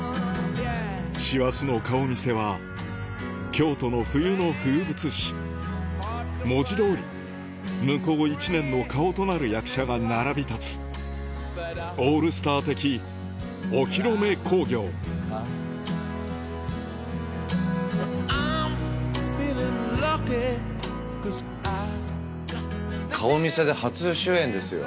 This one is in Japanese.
師走の顔見世は京都の冬の風物詩文字通り向こう一年の顔となる役者が並び立つオールスター的お披露目興行顔見世で初主演ですよ。